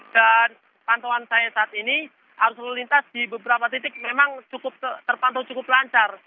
dan pantauan saya saat ini arus lalu lintas di beberapa titik memang terpantau cukup lancar